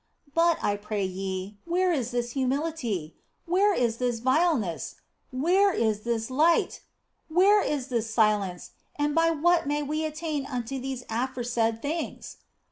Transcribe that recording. But, I pray ye, where is this humility ? Where is this vileness ? Where is this light ? Where is this silence, ii6 THE BLESSED ANGELA and by what may we attain unto these aforesaid things